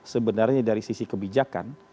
sebenarnya dari sisi kebijakan